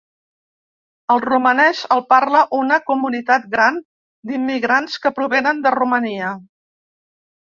El romanès el parla una comunitat gran d"immigrants que provenen de Romania.